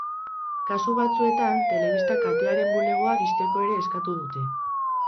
Kasu batzuetan, telebista-katearen bulegoak ixteko ere eskatu dute.